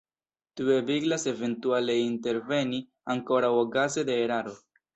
Tio ebligas eventuale interveni ankoraŭ okaze de eraro.